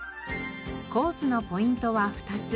コースのポイントは２つ。